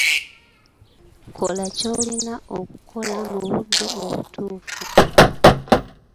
Kola ky'olina okukola mu budde obutuufu.